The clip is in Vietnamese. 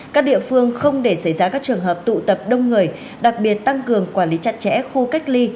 các địa phương không để xảy ra các trường hợp tụ tập đông người đặc biệt tăng cường quản lý chặt chẽ khu cách ly